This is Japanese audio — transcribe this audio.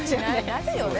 なるよね